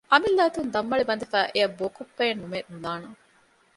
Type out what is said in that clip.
އަމިއްލަ އަތުން ދަންމަޅި ބަނދެފައި އެއަށް ބޯކޮއްޕައެއް ނުމެ ނުލާނަން